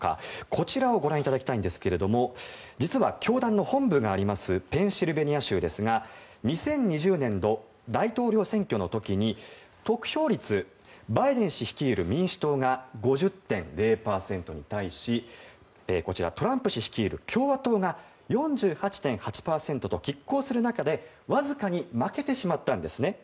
こちらをご覧いただきたいんですけれども実は教団の本部があるペンシルベニア州ですが２０２０年度大統領選挙の時に得票率はバイデン氏率いる民主党が５０．０％に対しトランプ氏率いる共和党が４８．８％と拮抗する中で、わずかに負けてしまったんですね。